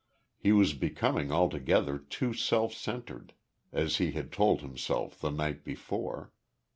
He was becoming altogether too self centred, as he had told himself the night before.